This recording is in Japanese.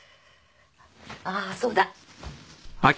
あぁそうだ。